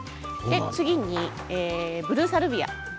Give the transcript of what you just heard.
次にブルーサルビアです。